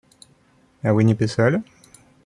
А Вы не писали?